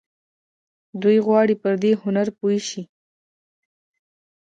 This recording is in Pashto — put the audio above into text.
دوی غواړي پر دې هنر پوه شي.